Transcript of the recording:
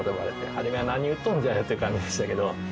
初めは「何言っとんじゃ」っていう感じでしたけど。